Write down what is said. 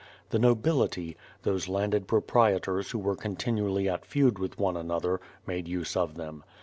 The nobility, those landed proprietors who were con tinually at feud with one another, made use of them.